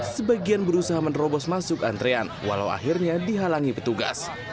sebagian berusaha menerobos masuk antrean walau akhirnya dihalangi petugas